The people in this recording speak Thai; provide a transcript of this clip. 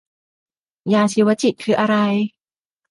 ยาชีวจิตคืออะไร